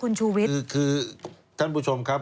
คุณชูวิทย์คือคือท่านผู้ชมครับ